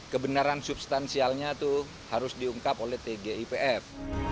kebenaran substansialnya itu harus diungkap oleh tgipf